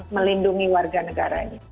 melindungi warga negaranya